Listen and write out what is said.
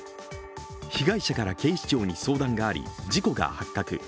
被害者から警視庁に相談があり、事故が発覚。